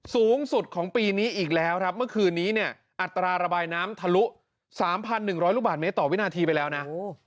สูงสุดของปีนี้อีกแล้วครับเมื่อคืนนี้เนี่ยอัตราระบายน้ำทะลุ๓๑๐๐ลูกบาทเมตรต่อวินาทีไปแล้วนะ